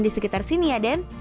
di sekitar sini ya den